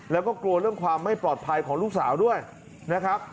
แล้วก็กลัวเรื่องความไม่ปลอดภัยของลูกสาวด้วยนะครับ